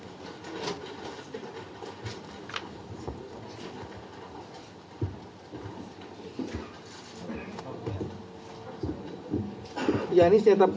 sembilan orang dim accountable yang didiam dengan zono